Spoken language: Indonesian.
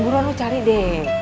buruan lo cari deh